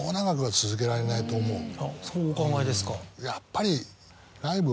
そうお考えですか。